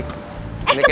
eh kebalik mas